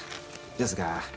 ですが